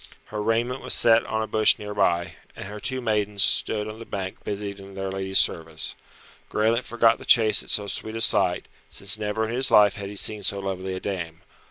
Her raiment was set on a bush near by, and her two maidens stood on the bank busied in their lady's service. Graelent forgot the chase at so sweet a sight, since never in his life had he seen so lovely a dame.